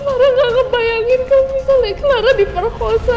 clara nggak ngebayangkan kalau misalnya clara diperkosa